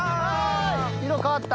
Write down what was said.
色変わった。